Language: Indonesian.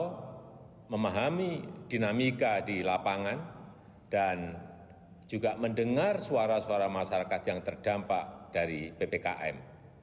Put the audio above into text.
kita memahami dinamika di lapangan dan juga mendengar suara suara masyarakat yang terdampak dari ppkm